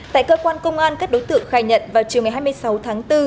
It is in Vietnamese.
tại cơ quan công an các đối tượng khai nhận vào chiều ngày hai mươi sáu tháng bốn